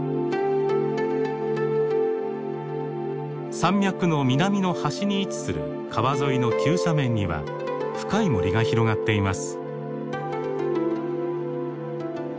山脈の南の端に位置する川沿いの急斜面には深い森が広がっています。